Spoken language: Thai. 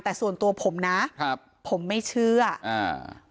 แต่ส่วนตัวผมนะครับผมไม่เชื่ออ่า